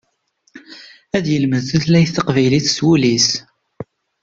Ad yelmed tutlayt taqbaylit s wul-is.